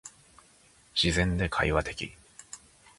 自然で会話的